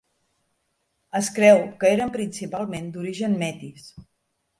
Es creu que eren principalment d'origen métis.